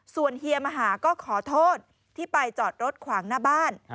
ส่วนเฮียมหาก็ขอโทษที่ไปจอดรถขวางหน้าบ้าน